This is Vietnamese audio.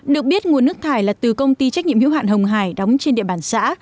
được biết nguồn nước thải là từ công ty trách nhiệm hữu hạn hồng hải đóng trên địa bàn xã